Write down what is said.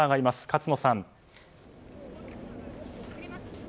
勝野さん。